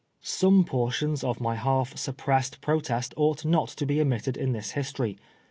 Some portions of my half suppressed protest ought not to be omitted in this history.